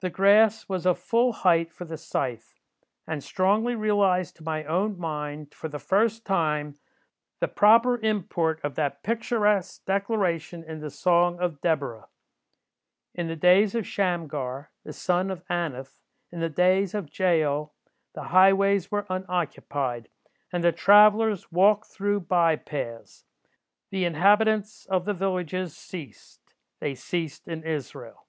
The grass was of full height for the scythe, and strongly realized to my own mind, for the first time, the proper import of that picturesque declaration in the Song of Deborah: 'In the days of Shamgar, the son of Anath, in the days of Jael, the highways were unoccupied, and the travellers walked through by paths. The inhabitants of the villages ceased: they ceased in Israel.